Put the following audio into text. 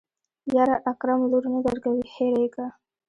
يره اکرم لور نه درکوي هېره يې که.